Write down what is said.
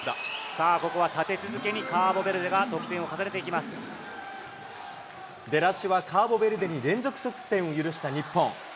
さあ、ここは立て続けにカー出だしはカーボベルデに連続得点を許した日本。